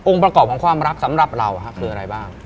ประกอบของความรักสำหรับเราคืออะไรบ้าง